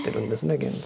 現在。